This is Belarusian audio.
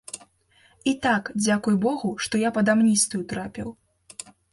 І так, дзякуй богу, што я пад амністыю трапіў.